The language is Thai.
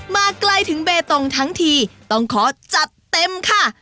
มาไกลถึงเบตงทั้งทีต้องขอจัดเต็มค่ะ